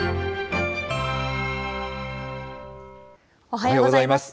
おはようございます。